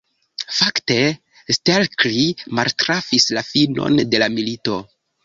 Fakte, Stelkri maltrafis la finon de la milito.